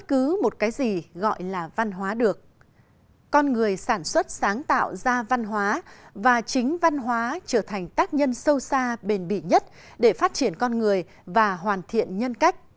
con người sản xuất sáng tạo ra văn hóa và chính văn hóa trở thành tác nhân sâu xa bền bỉ nhất để phát triển con người và hoàn thiện nhân cách